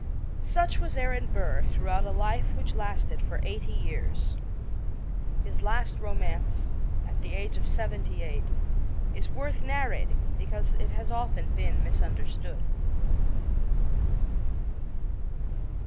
Such was Aaron Burr throughout a life which lasted for eighty years. His last romance, at the age of seventy eight, is worth narrating because it has often been misunderstood.